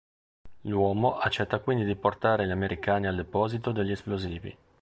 L'uomo accetta quindi di portare gli americani al deposito degli esplosivi.